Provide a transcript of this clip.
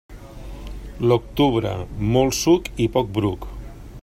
L'octubre, molt suc i poc bruc.